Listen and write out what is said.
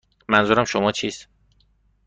منظور شما چیست؟